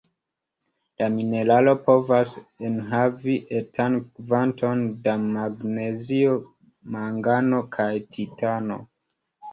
La mineralo povas enhavi etan kvanton da magnezio, mangano kaj titano.